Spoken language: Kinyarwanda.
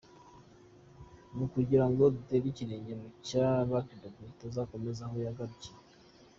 Ni ukugira ngo dutere ikirenge mu cya Luck Dube, tuzakomereza aho yagrukirije.